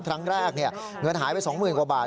ครั้งแรกเงินหายไป๒๐๐๐กว่าบาท